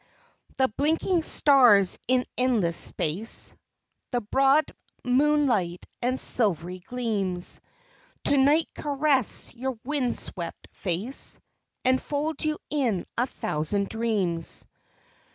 The blinking stars in endless space, The broad moonlight and silvery gleams, To night caress your wind swept face, And fold you in a thousand dreams.